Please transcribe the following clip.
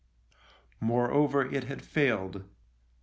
Moreover, it had failed.